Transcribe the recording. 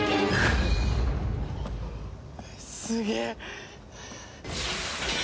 すげえ！